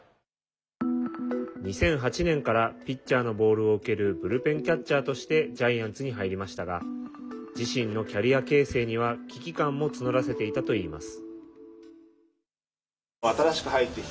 ２００８年からピッチャーのボールを受けるブルペンキャッチャーとしてジャイアンツに入りましたが自身のキャリア形成には危機感も募らせていたといいます。